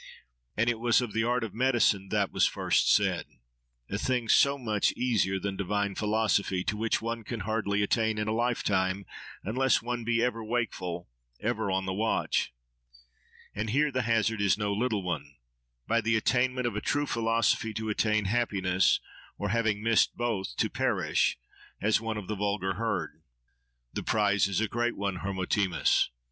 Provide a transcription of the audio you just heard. And it was of the art of medicine, that was first said—a thing so much easier than divine philosophy, to which one can hardly attain in a lifetime, unless one be ever wakeful, ever on the watch. And here the hazard is no little one:—By the attainment of a true philosophy to attain happiness; or, having missed both, to perish, as one of the vulgar herd. —The prize is a great one, Hermotimus!